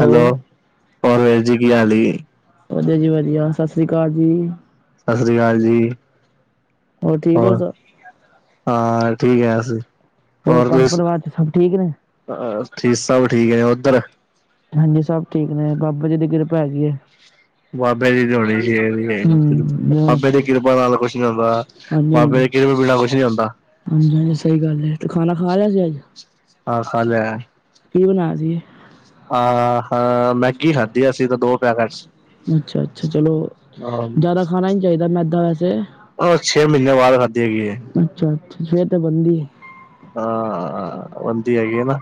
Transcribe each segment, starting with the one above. Hello. ਹੋਰ ਵੀਰ ਜੀ ਕੀ ਹਾਲ ਈ? ਵਧੀਆ ਜੀ ਵਧੀਆ। ਸਸ੍ਰੀ ਅਕਾਲ ਜੀ। ਸਸ੍ਰੀ ਅਕਾਲ ਜੀ। ਹੋਰ ਠੀਕ ਹੋ ਸਰ? ਹੋਰ ਘਰ ਪਰਿਵਾਰ 'ਚ ਸਭ ਠੀਕ ਨੇ? ਹਾਂ। ਠੀਕ ਸਭ ਠੀਕ ਏ। ਔਧਰ ਹਾਂਜੀ ਸਭ ਠੀਕ ਨੇ। ਬਾਬਾ ਜੀ ਦੀ ਕਿਰਪਾ ਹੈਗੀ ਏ। ਬਾਬੇ ਦੀ ਤੇ ਹੋਣੀ ਚਾਹੀ ਦੀਏ। ਬਾਬੇ ਦੀ ਕਿਰਪਾ ਨਾਲ ਕੁਛ ਨੀ ਹੁੰਦਾ। ਬਾਬੇ ਦੀ ਕਿਰਪਾ ਬਿਨਾਂ ਕੁੱਛ ਨੀ ਹੁੰਦਾ। ਹਾਂਜੀ ਹਾਂਜੀ ਸਹੀ ਗੱਲ ਹੈ। ਤੇ ਖਾਣਾ ਖਾ ਲਿਆ ਸੀ ਅੱਜ? ਹਾਂ ਖਾ ਲਿਆ ਐ। ਕੀ ਬਣਾਇਆ ਸੀ? ਅੱਛਾ- ਅੱਛਾ ਚਲੋ ਜਿ਼ਆਦਾ ਖਾਣਾ ਨੀ ਚਾਹੀਦਾ ਮੈਦਾ ਵੈਸੇ। ਉਹ ਛੇ ਮਹੀਨੇ ਬਾਦ ਖਾਧੀ ਹੈਗੀ ਏ। ਅੱਛਾ ਅੱਛਾ। ਫੇਰ ਤੇ ਬਣਦੀ। ਹਾਂ! ਬੰਦੀ ਹੈਗੀ ਹੈ ਨਾ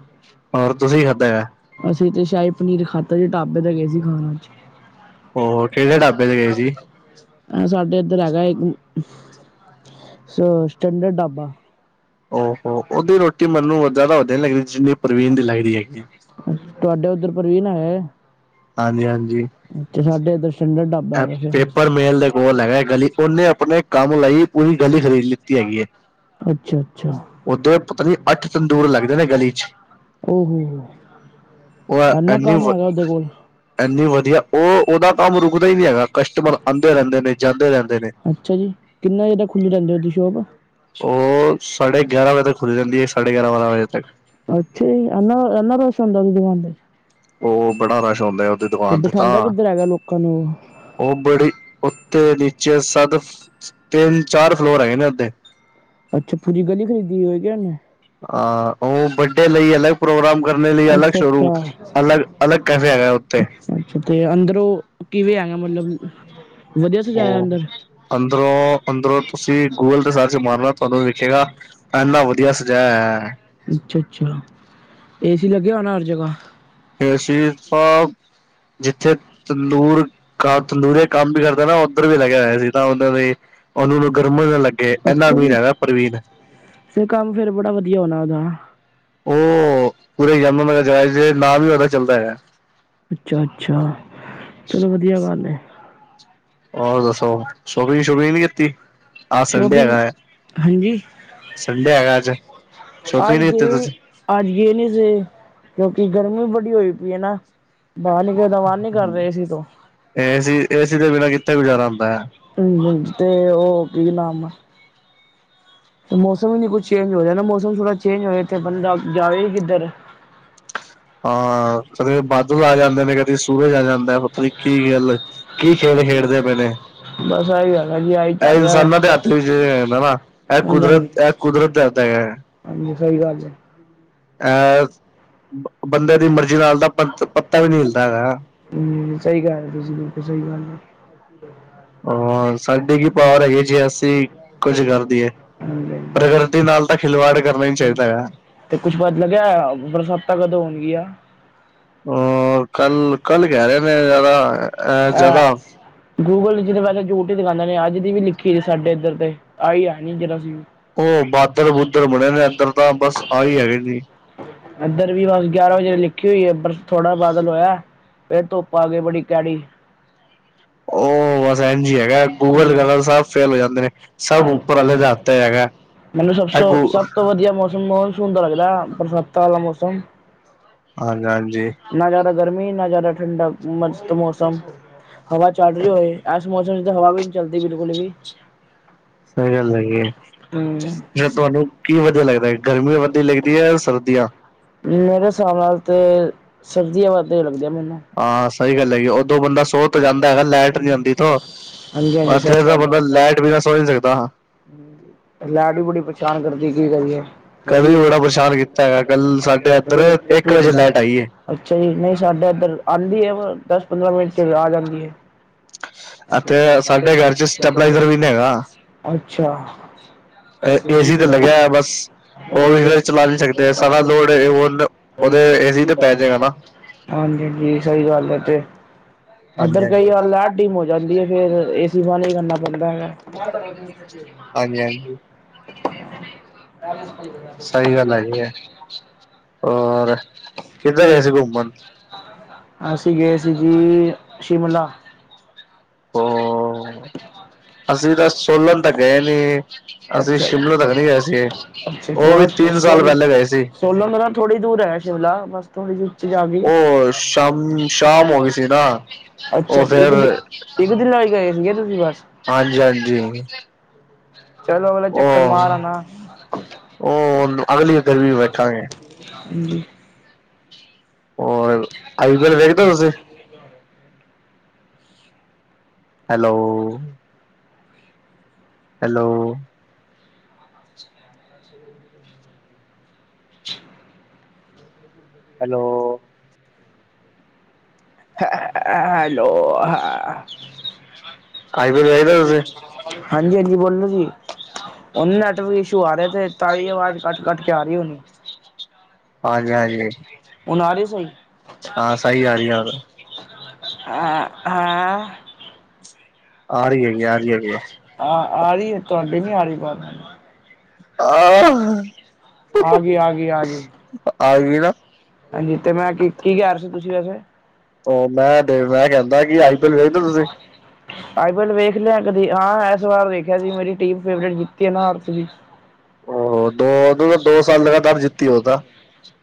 ਹੋਰ ਤੁਸੀਂ ਕੀ ਖਾਦਾ ਹੈ ਅਸੀਂ ਤੇ ਸ਼ਾਹੀ ਪਨੀਰ ਖਾਦਾ ਢਾਬੇ ਤੇ ਗਏ ਸੀ ਖਾਣ ਅੱਜ। [inaudible] ਐ ਸਾਡੇ ਇੱਧਰ ਹੈਗਾ ਇੱਕ ਸ ਸਟਡਰਡ ਢਾਬਾ। ਉਹ ਹੋ ਹੋ ਉਹਦੀ ਰੋਟੀ ਮੈਨੂੰ ਜ਼ਿਆਦਾ ਵਧੀਆ ਨੀ ਲੱਗਦੀ ਜਿੰਨੀ ਪ੍ਰਵੀਨ ਦੀ ਲੱਗਦੀ ਹੈਗੀ ਏ ਅੱਛਾ ਤੁਹਾਡੇ ਉੱਧਰ ਪ੍ਰਵੀਨ ਹੈਗਾ ਹਾਂਜੀ! ਹਾਂਜੀ! ਤੇ ਸਾਡੇ ਇਧਰ ਸਟੈਂਡਰਡ ਢਾਬਾ। ਐ ਪੇਪਰ ਮਿਲ ਦੇ ਕੋਲ਼ ਹੈਗਾ ਗਲ਼ੀ ਉਹਨੇ ਆਪਣੇ ਕੰਮ ਲਈ ਪੂਰੀ ਗਲ਼ੀ ਖਰੀਦ ਲਿੱਤੀ ਹੈਗੀ ਹੈ। ਅੱਛਾ! ਅੱਛਾ! ਉਦਰ ਪਤਾ ਨੀ ਅੱਠ ਤੰਦੂਰ ਲੱਗਦੇ ਨੇ ਗਲ਼ੀ 'ਚ। ਉਹ ਹੋ ਹੋ। ਉਹ ਇਨੀਂ। ਇੰਨੀ ਵਧੀਆ ਉਹ ਉਹਦਾ ਕੰਮ ਰੁਕਦਾ ਹੀ ਨਹੀਂ ਹੈਗਾ ਕਸਟਮਰ ਆਉਂਦੇ ਰਹਿੰਦੇ ਨੇ, ਜਾਂਦੇ ਰਹਿੰਦੇ ਨੇ। ਅੱਛਾ ਜੀ! ਕਿੰਨੇ ਵਜੇ ਤੱਕ ਖੁੱਲ੍ਹੀ ਰਹਿੰਦੀ ਉਹਦੀ ਸ਼ੋਪ? ਉਹ ਸਾਢੇ ਗਿਆਰਾਂ ਵਜੇ ਤੱਕ ਖੁੱਲੀ ਰਹਿੰਦੀ ਏ ਸਾਢੇ ਗਿਆਰਾਂ- ਬਾਰਾਂ ਵਜੇ ਤੱਕ। ਅੱਛਾ ਜੀ ਐਨਾਂ ਐਨਾਂ ਰਸ਼ ਹੁੰਦਾ ਉਹਦੀ ਦੁਕਾਨ ਤੇ। ਉਹ ਹੋ ਬੜਾ ਰਸ਼ ਆਉਂਦਾ ਉਹਦੀ ਦੁਕਾਨ ਤੇ ਤਾਂ। ਹੂੰ ਉਹ ਬੜੀ ਉੱਤੇ ਨੀਚੇ ਸਦ। ਤਿੰਨ- ਚਾਰ ਫਲੋਰ ਹੈਗੇ ਨੇ ਉਹਦੇ। ਅੱਛਾ, ਪੂਰੀ ਗਲ਼ੀ ਖਰੀਦੀ ਹੋਈ ਹੈ ਕੇ ਉਹਨੇ। ਹਾਂ, ਉਹ ਬਰਡੇ ਲਈ ਅਲੱਗ। ਪ੍ਰੋਗਰਾਮ ਕਰਨ ਲਈ ਅਲੱਗ ਸ਼ੋਰੂਮ ਅਲੱਗ- ਅਲੱਗ ਕੈਫੇ ਹੈਗਾ ਏ ਉੱਥੇ। ਤੇ ਅੰਦਰੋਂ ਕਿਵੇਂ ਹੈਗਾ ਮਤਲਬ। ਉਹ ਅੰਦਰੋਂ- ਅੰਦਰੋਂ ਤੁਸੀਂ ਗੂਗਲ ਤੇ ਸਰਚ ਮਾਰਨਾ। ਤੁਹਾਨੂੰ ਵਿਖੇਗਾ ਇੰਨਾ ਵਧੀਆ ਸਜਾਇਆ ਹੋਇਆ ਹੈ। ਅੱਛਾ, ਅੱਛਾ, ਏਸੀ ਲੱਗਿਆ ਹੋਣਾ ਹਰ ਜਗ੍ਹਾ। ਏਸੀ ਸਾ ਜਿੱਥੇ ਤੰਦੂਰ ਕ ਤੰਦੂਰ। ਕੰਮ ਵੀ ਕਰਦਾ ਨਾ ਉੱਧਰ ਵੀ ਲੱਗਿਆ ਹੋਇਆ ਏਸੀ ਤਾਂ ਉਹਨਾਂ ਦੇ। ਉਹਨੂੰ ਵੀ ਗਰਮੀ ਨਾ ਲੱਗੇ ਇੰਨਾ ਅਮੀਰ ਹੈਗਾ ਪ੍ਰਵੀਨ। ਫੇਰ ਕੰਮ ਫੇਰ ਬੜਾ ਵਧੀਆ ਹੋਣਾ ਉਹਦਾ। ਉਹ ਪੂਰੇ ਯਮਨਾ ਨਗਰ ਜਾ ਆਏ ਨਾਮ ਵੀ ਉਹਦਾ ਚੱਲਦਾ ਹੈਗਾ। ਅੱਛਾ! ਅੱਛਾ! ਚਲੋ ਵਧੀਆ ਗੱਲ ਹੈ। ਹੋਰ ਦੱਸੋ ਸ਼ੋਪਿੰਗ ਸ਼ੂਪਿੰਗ ਨਈ ਕੀਤੀ? ਅੱਜ ਸੰਡੇ ਹੈਗਾ ਹੈ ਸੰਡੇ ਹੈਗਾ ਅੱਜ। ਸ਼ੌਪਿੰਗ ਨਹੀਂ ਕੀਤੀ ਤੁਸੀਂ। ਅੱਜ ਗਏ ਨੀ ਅਸੀਂ ਕਿਉਂਕਿ ਗਰਮੀ ਬੜੀ ਹੋਈ ਪਈ ਹੈ ਨਾ। ਬਾਹਰ ਨਿਕਲਣ ਦਾ ਮਨ ਨੀ ਕਰ ਰਿਹਾ ਏਸੀ ਤੋਂ। ਏਸੀ ਏਸੀ ਦੇ ਬਿਨਾਂ ਕਿੱਥੇ ਗੁਜ਼ਾਰਾ ਹੁੰਦਾ ਹੈ। ਹੂੰ, ਤੇ ਉਹ ਕੀ ਨਾਮ ਹੈ। ਤੇ ਮੌਸਮ ਵੀ ਨੀ ਕੁਛ ਚੇਂਜ ਹੋ ਜਾਏ ਨਾ ਮੌਸਮ ਥੋੜਾ ਚੇਂਜ ਹੋਏ ਫੇਰ ਬੰਦਾ ਜਾਵੇ ਹੀ ਕਿੱਧਰ। ਹਾਂ! ਕਦੇ ਬਾਦਲ ਆ ਜਾਂਦੇ ਨੇ, ਕਦੇ ਸੂਰਜ ਆ ਜਾਂਦਾ। ਪਤਾ ਨੀ ਕਿ ਖੇਡ ਖੇਡਦੇ ਪਏ ਨੇ। ਇਹ ਇਨਸਾਨਾਂ ਦੇ ਹੱਥ ਵਿੱਚ ਨਹੀਂ ਹੁੰਦਾ ਨਾ ਇਹ ਕੁਦਰਤ। ਕੁਦਰਤ ਦੇ ਹੱਥ ਹੈਗਾ। ਅਹ ਬੰਦੇ ਦੀ ਮਰਜ਼ੀ। ਦੇ ਮਰਜੀ ਨਾਲ ਦਾ ਪੱਤਾ ਵੀ ਨ ਹਿਲਦਾ ਹੈਗਾ ਹਮ ਸਹੀ ਗੱਲ ਤੁਸੀਂ ਬਿਲਕੁਲ ਸਹੀ ਗੱਲ ਕਹੀ ਹੂੰ! ਹੂੰ! ਪਰਕ੍ਰਿਤੀ ਨਾਲ ਤਾਂ ਖਿਲਵਾੜ ਕਰਨਾ ਹੀ ਨਹੀਂ ਚਾਹੀਦਾ ਹੈ। ਤੇ ਕੁੱਛ ਪਤਾ ਲੱਗਿਆ, ਬਰਸਾਤਾਂ ਕਦੋਂ ਹੋਣਗੀਆਂ? ਅ ਕੱਲ, ਕੱਲ ਕਹਿ ਰਹੇ ਮੈਂ ਜ਼ਿਆਦਾ, ਅ ਜ਼ਿਆਦਾ ਗੂਗਲ ਜਦੋਂ ਪਹਿ ਚੁੱਠ ਦੁਾਉਂਦੇ ਨੇ, ਅੱਜ ਦੀ ਵੀ ਲਿਖੀ ਸੀ ਸਾਡੇ ਇੱਧਰ ਤੇ ਆਈ ਹੈ ਨੀ। ਜਿਹੜਾ ਇੱਧਰ ਵੀ ਬਸ, ਗਿਆਰਾਂ ਵਜੇ ਨ ਹੋਈ ਹੈ ਪਰ ਥੋੜ੍ਹਾ ਬਾਦਲ ਹੋਇਆ, ਫਿਰ ਧੁੱਪ ਆ ਗ ਬੜੀ ਗਹਿੜੀ। ਉਹਸਨ ਬਸ ਐਂਝ ਹੀ ਹੈਗਾ, ਗੂਗਲ ਗੱਗਾਲ ਸਭ ਫੇਲ ਹੋ ਜਾਂਦੇ ਨੇ, ਸਭ ਉੱਪਰ ਵਾਲੇ ਦੇ ਹੱਥ ਹੈਗਾ। ਮੈਨੂੰ ਸਭ ਸ ਸਭ ਤੋਂ ਵਧੀਆ ਮੌਸਮ ਮਾਨਸੂਨ ਦਾ ਲੱਗਦਾ, ਬਰਸਾਤਾਂ ਵਾਲਾ ਮੌਸਮ। ਹਾਂਜੀ, ਹਾਂਜੀ। ਨਾ ਜ਼ਿਆਦਾ ਗਰਮੀ, ਨਾ ਜ਼ਿਆਦਾ ਠੰਡਾ, ਮਸਤ ਮੌਸਮ। ਹਵਾ ਚੱਲ ਰਹੀ ਹੋਏ, ਇਸ ਮੌਸਮ 'ਚ ਤਾਂ ਹਵਾ ਵੀ ਨਹੀਂ ਚੱਲਦੀ, ਬਿਲਕੁਲ ਵੀ। ਸਹੀ ਗੱਲ ਹੈਗੀ ਏ। ਹਮ। ਮੇਰੇ ਹਿਸਾਬ ਨਾਲ ਤੇ, ਸਰਦੀਆਂ ਵੱਧਦੇ ਲੱਗਦੇ ਆ ਮੈਨੂੰ। ਹਾਂ ਸਹੀ ਗੱਲ ਹੈਗੀ, ਉਦੋ ਬੰਦਾ ਸੋਹ ਤੋਂ ਜਾਂਦਾ ਹੈਗਾ ਲਾਈਟ ਨੀ ਆਉਦੀ ਤੋਂ, ਐਥੇ ਦਾ ਬੰਦਾ ਲਾਈਟ ਬਿਨਾਂ ਸੋ ਨਹੀ ਸਕਦਾ। ਲੈਡੀ ਵੀ ਬੜੀ ਪ੍ਰੇਸ਼ਾਨ ਕਰਦੀ, ਕੀ ਕਰੀਏ। ਕਲ ਵੀ, ਬੜਾ ਪਰੇਸ਼ਾਨ ਕੀਤਾ ਹੈਗਾ। ਕੱਲ ਸਾਡੇ ਇੱਧਰ ਇੱਕ ਅੱਛਾ ਜੀ, ਨਹੀਂ ਸਾਡਾ ਇੱਧਰ ਆਉਂਦੀ ਹੈ, ਦਸ ਪੰਦਰਾਂ ਮਿੰਟ 'ਚ ਆ ਜਾਂਦੀ ਹੈ। ਅੱਛਾ। ਏਸੀ ਤੇ ਲੱਗਿਆ, ਬਸ ਉਹ ਵੀ ਫਿਰ ਚਲਾ ਨੀ ਸਕਦੇ। ਸਾਰਾ ਲੋਡ ਉਹਦੇ, ਏ ਸੀ ਤੇ ਪੈ ਜਾਗਾ ਨਾ। ਹਾਂਜੀ ਹਾਂਜੀ, ਸਹੀ ਗੱਲ ਹੈ ਤੇ। ਐਧਰ, ਕਈ ਵਾਰ ਲੈਟ ਡੀਮ ਹੋ ਜਾਂਦੀ ਹੈ ਫੇਰ, ਏ ਸੀ ਬ ਹੀ ਕਰਨਾ ਪੈਂਦਾ ਹੈਗਾ। ਮ- ਗੱਲ ਹੋਰ, ਕਿੱਧਰ ਗਏ ਸੀ ਘੁੰਮਣ? ਅਸੀਂ ਗਏ ਸੀ ਜੀ, ਸ਼ਿਮਲਾ- ਹਮ। ਅਸੀਂ ਤਾਂ ਸੋਲਨ ਤੱਕ ਗਏ ਨੀ, ਅਸੀਂ ਸ਼ਿਮਲੋ ਤੱਕ ਨਹੀਂ ਗਏ ਸੀ। ਅੱਛ, ਸੋਲਨ ਤੋਂ ਥੋੜ੍ਹੀ ਦੂਰ ਹੈ ਸ਼ਿਮਲਾ, ਬਸ ਥੋੜ੍ਹੀ ਦੂਰ ਜਾ ਕੇ, ਅੱਛਾ ਇੱਕ ਦਿ ਇੱਕ ਦਿਨ ਵਾਸਤੇ, ਗਏ ਸੀਗੇ ਤੁਸੀਂ ਬਸ? ਹੋ- ਚਲੋ, ਅਗਲਾ ਚੱਕਰ ਮਾਰ ਆਣਾ। ਹਾਂਜੀ। ਹੋਰ, ਆਈਦਰ ਵੇਖਦੇ ਤੁਸੀਂ? ਹੈਲੋ ਹੈਲੋ- ਹੈਲੋ- ਹੈਲੋ, ਹ ਆੱਫੀਅਰ ਵੇਖਦੇ ਤੁਸੀਂ? ਹਾਂਜੀ ਹਾਂਜੀ, ਬੋਲੋ ਜੀ ਉਹਨੇ ਨੈਟਵਰਕ ਇਸ਼ੂ ਆ ਰਹੇ, ਤਾ ਹੀਂ ਆਵਾਜ਼ ਕੱਟ-ਕੱਟ ਕੇ ਆ ਰਹੀ ਹੋਣੀ। ਹਾਂਜੀ ਹਜੀ, ਹਾਂ ਸਹੀ ਗੱਲ ਯਾਰ। ਹਾਂ। ਆਰ ਰਹੀ ਆਰ ਆ ਕੇ। ਆਹ ਆ ਰਹੀ ਆ ਤੁਹਾਡੀ ਨੀ ਆ ਰਹੀ ਆਵਾਜ਼। ਆ ਗਈ ਆ ਗਈ ਆ ਗਈ। ਹਾਂਜੀ ਤੇ ਮੈਂ ਕੀ ਕੀ ਰਹੇ ਸੀ ਤੁਸੀਂ ਵੈਸੇ? ਓ ਮੈਂ ਦੇ ਮੈਂ ਕਹਿੰਦਾ ਕਿ ਆਈ ਫੋਨ ਚਾਈਦਾ ਤੁਸੀਂ? ਆਈ ਫੋਨ ਵੇਖ ਲਿਆ ਕਦੇ ਹਾਂ ਇਸ ਵਾਰ ਦੇਖਿਆ ਸੀ ਮੇਰੀ ਟੀਮ ਫੇਵਰੇਟ ਜਿੱਤੀ ਨਾ।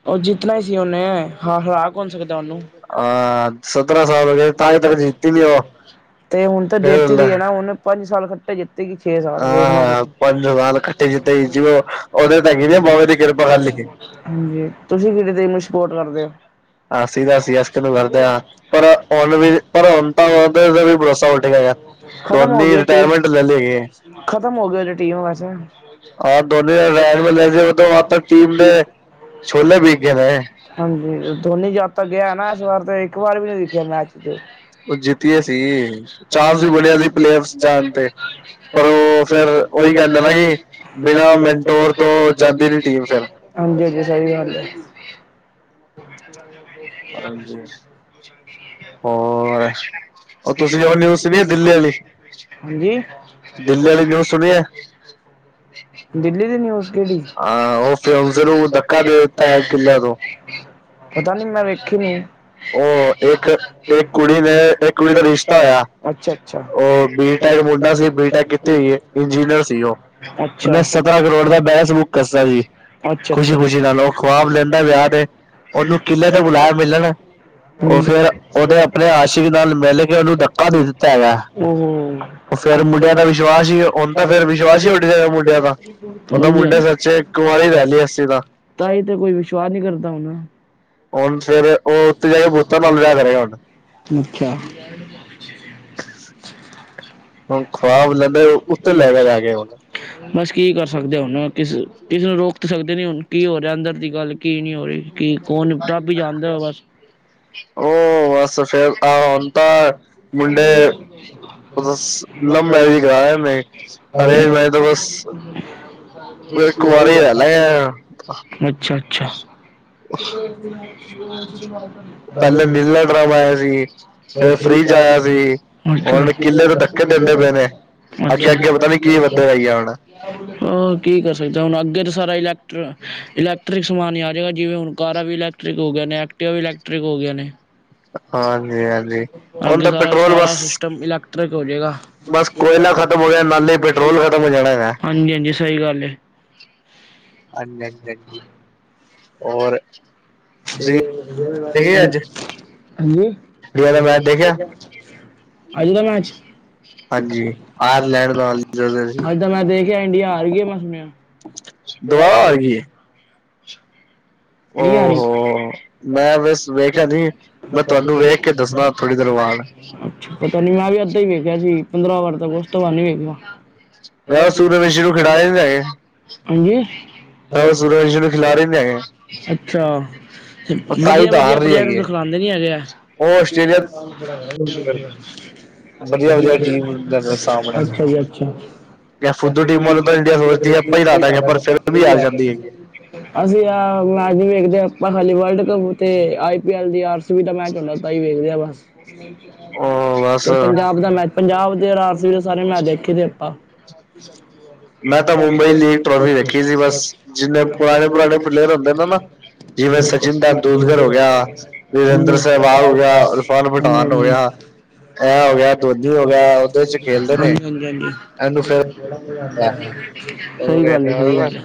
ਓ ਜਿੱਤਣਾ ਹੀ ਸੀ ਉਨੇ। ਹਾਂ ਹਰਾ ਕੌਣ ਸਕਦਾ ਉਨੂੰ? ਅਹ ਸਤਰਰਾਂ ਸਾਲ ਹੋ ਗਏ ਤਾਂਹੀਂ ਤਾਂ ਜਿੱਤੀ ਨੀ ਓ। ਤੇ ਹੁਣ ਤਾਂ ਜਿੱਤ ਲਈਏ ਨਾ ਉਨੇ ਪੰਜ ਸਾਲ ਖੱਟੇ ਜਿੱਤੇ ਗਈ ਛੇ ਸਾਲ ਵੇਖ ਲੋ ਤੁਸੀਂ। ਹਾਂਜੀ ਹਾਂ [unintelligible] ਹਾਂਜੀ ਤੁਸੀਂ ਕੇੜੀ ਟੀਮ ਨੂੰ ਸਪੋਰਟ ਕਰਦੇ ਹੋ? ਅਸੀਂ ਤੇ ਅਸੀ ਅਸਕਨੂੰ ਕਰਦੇ ਆ। ਪਰ ਹੁਣ ਵੀ ਪਰ ਹੁਣ ਤਾਂ ਦਾ ਵੀ ਭਰੋਸਾ ਵੱਠੇਗਾ ਯਾਰ ਦੋਨੀ ਰਿਟਾਇਰਮੈਂਟ ਲੈ ਲਈਗੀ। ਖ਼ਤਮ ਹੋ ਗਈ ਉਦੀ ਟੀਮ ਵੈਸੇ। [unintelligible] ਹਾਂਜੀ ਦੋਨੀ ਜਦ ਤੱਕ ਗਿਆ ਨਾ ਇਸ ਵਾਰ ਤੇ ਇੱਕ ਵਾਰ ਵੀ ਨੀ ਦੇਖਿਆ ਮੈਚ ਤੇ। ਤਾਂ ਵੀ ਵਧ ਪਰ‌। ਉਹੀ ਗੱਲ ਨਾ ਵੀ ਬਿਨਾਂ ਲੈਪਟੋਪ [inaudible] ਹਾਂਜੀ ਹਾਂਜੀ ਸਈ ਗੱਲ ਏ। ਦੋਨੀ ਵਗ ਗਿਆ ਜੇ। ਹਾਂਜੀ ਹੋਰ। ਓ ਤੁਸੀਂ ਓ ਨਿਊਜ਼ ਸੁਣੀ ਆ ਦਿੱਲੀ ਆਲੀ ਦਿੱਲੀ ਆਲੀ ਨਿਊਜ ਸੁਣੀ ਆ। ਦਿੱਲੀ ਦੀ ਨਿਊਜ ਕੇੜੀ? ਪਤਾ ਨੀ ਮੈਂ ਵੇਖੀ ਨੀ। ਕੁੜੀ ਦੇ ਚੰਡੀਗੜ ਰਿਸ਼ਤਾ ਹੋਇਆ ਅੱਛਾ ਅੱਛਾ। ਅੱਛਾ। ਬੰਦਾ ਬਹਿਸ ਬੁੱਕ ਕੱਸਦਾ ਜੀ ਖੁਸ਼ੀ- ਖੁਸ਼ੀ ਨਾਲ ਓ ਖੁਆਬ ਲੈਂਦਾ ਵਿਆਹ ਦੇ। ਉਨੂੰ ਕਿੱਲੇ ਤੇ ਬੁਲਾਇਆ ਮਿਲਣ ਓ ਫੇਰ ਉਦੇ ਆਪਣੇ ਆ। ਆਸ਼ਕ ਨਾਲ ਮਿਲ ਕੇ ਉਨੂੰ ਧੱਕਾ ਦੇ ਦਿੱਤਾ ਹੈਗਾ ਓ ਫੇਰ ਮੁੰਡਿਆਂ ਦਾ ਵਿਸ਼ਵਾਸ ਵੀ ਹੁਣ। ਤਾਂ ਫੇਰ ਵਿਸ਼ਵਾਸ ਹੀ ਉੱਡ ਗਿਆ ਮੁੰਡਿਆਂ ਦਾ ਹਾਂਜੀ ਤਹੀ ਤੇ ਕੋਈ ਵਿਸ਼ਵਾਸ ਨੀ ਕਰਦਾ ਹੁਣ ਹੁਣ ਫੇਰ ਓ ਓਥੇ ਜੇ ਕੇ ਬੂਤਰ ਨਾਲ ਵਿਆਹ ਕਰੇਗਾ ਹੁਣ ਅੱਛਾ। ਹੁਣ ਖੁਆਬ ਲੈਂਦਾ ਉੱਤੇ ਲਏ ਗਾ ਜਾ ਕੇ ਹੁਣ ਬਸ ਕੀ ਕਰ ਸਕਦੇ ਹੁਨ ਕਿਸ ਕਿਸਨੂੰ ਰੋਕ? ਰੋਕ ਸਕਦੇ ਨੀ ਹੁਣ ਕੀ ਹੋ ਰਿਹਾ ਅੰਦਰ ਦੀ ਗੱਲ ਕੀ ਨੀ ਹੋ ਰਹੀ ਕੀ ਕੌਣ ਰਬ ਹੀ ਜਾਣਦਾ ਬਸ ਓ ਮ [inaudible] ਐਵੇਂ ਬਸ। ਅੱਛਾ ਅੱਛਾ। [unintelligible] ਅੱਛਾ। ਅੱਛਾ ਅੱਛਾ। ਆਹ ਕੀ ਕਰ ਸਕਦਾ ਹੁਣ ਅੱਗੇ ਤਾਂ ਸਾਰਾ ਇਲੈਕਟਰ ਇਲੈਕਟ੍ਰਿਕ ਸਮਾਨ ਹੀ ਆ ਜਾਏਗਾ ਜਿਵੇਂ ਹੁਣ ਕਾਰਾਂ ਵੀ ਇਲੈ ਉਹ ਕਹਿੰਦੇ ਆ ਐਕਟਿਵਾ ਵੀ ਇਲੈਕਟ੍ਰਿਕ ਹੋ ਗਿਆ ਨੇ। ਅੱਗੇ ਸਾਰਾ, ਸਾਰਾ ਸਿਸਟਮ ਇਲੈਕਟ੍ਰਿਕ ਹੋ ਜਾਏਗਾ। ਹਾਂਜੀ, ਹਾਂਜੀ ਸਹੀ ਗੱਲ ਏ। ਹਾਂਜੀ, ਹਾਂਜੀ, ਹਾਂਜੀ ਹੋਰ। ਹਾਂਜੀ। ਅਜ ਦਾ ਮੈਚ ਅਜ ਤਾਂ ਮੈਂਚ ਦੇਖਿਆ ਇੰਡੀਆ ਹਾਰ ਗਈ ਮੈਂ ਸੁਣਿਆ। ਦੁਆ ਆਈਏ। ਨਹੀਂ, ਆ ਰਹੀ। ਹਾ। ਮੈਂ ਤੁਹਾਨੂੰ [unintelligible] ਪਤਾ ਨੀ ਮੈਂ ਵੀ ਅੱਧਾਂ ਹੀ ਵੇਖਿਆ ਸੀ ਪੰਦਰਾਂ- ਵਾਰ ਤੱਕ ਉਸ ਤੋਂ ਬਾਅਦ ਨੀ ਵੇਖਿਆ। [unintelligible] ਹਾਂਜੀ! ਤਾਂ ਉਹ ਸੁਰਜ ਨੂੰ ਖਿਲਾ ਰਹੇ ਨੀ ਹੈਗੇ। ਅੱਛਾ! ਤੇ ਵਧੀਆ- ਵਧੀਆ ਪਲੇਟ ਨੂੰ ਤਾਂ ਖਿਲਾਦੇ ਨੀ ਹੈਗੇ ਆ। ਉਹ [inaudible] ਦਾ ਕੰਮ ਬੜਾ ਹੈ। ਅੱਛਾ ਜੀ ਅੱਛਾ! [unintelligible] ਅਸੀਂ ਆ ਮੈਚ ਵੀ ਵੇਖਦੇ ਹਾ ਆਪਾਂ ਹਾਲੀ ਵਰਲਡ ਕੱਪ ਤੇ ਆਈ ਪੀ ਐਲ ਦੀ ਆਰ ਮੈਚ ਹੁੰਦਾ ਤਾਂ ਹੀ ਵੇਖਦੇ ਆ ਬਸ, ਤੇ ਪੰਜਾਬ ਦਾ ਮੈਚ ਪੰਜਾਬ ਦੇ ਰਾਸੀ ਦੇ ਸਾਰੇ ਮੈਂ ਦੇਖੇ ਤੇ ਆਪਾਂ। [unintelligible] ਹੁੰਦੇ ਨਾ-ਨਾ। [unintelligible] [unintelligible] ਹਾਂਜੀ, ਹਾਂਜੀ, ਹਾਂਜੀ! [unintelligible] ਸਹੀ ਗੱਲ ਹੈ, ਸਹੀ ਗੱਲ ਹੈ।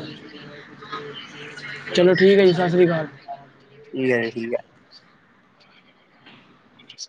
ਚਲੋ ਠੀਕ ਹੈ, ਜੀ ਸਤਿ ਸ਼੍ਰੀ ਅਕਾਲ। ਠੀਕ ਜੀ, ਠੀਕ ਆ।